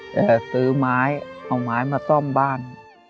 จะซื้อไม้เอาไม้มาซ่อมบ้าน